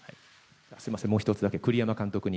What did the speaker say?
すいません、もう１つだけ栗山監督に。